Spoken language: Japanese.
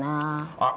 あっ。